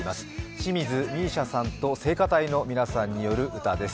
清水美依紗さんと聖歌隊の皆さんによる歌です。